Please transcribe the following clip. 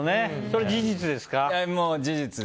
これは事実ですか？